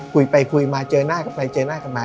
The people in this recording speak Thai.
คุยไปคุยมาเจอหน้ากันไปเจอหน้ากันมา